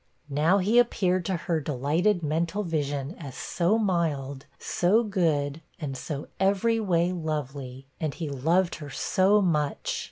Now he appeared to her delighted mental vision as so mild, so good, and so every way lovely, and he loved her so much!